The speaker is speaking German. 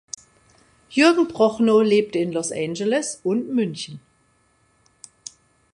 Jürgen Prochnow lebte in Los Angeles und München.